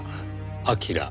彬」